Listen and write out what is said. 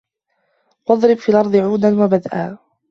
وَاضْرِبْ فِي الْأَرْضِ عَوْدًا وَبَدْءًا